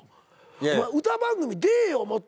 お前歌番組出えよもっと。